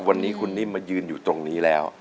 วันนี้คุณนิ่มมายืนอยู่ตรงนี้แล้ว